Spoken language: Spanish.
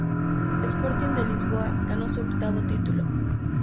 Sporting de Lisboa ganó su octavo título.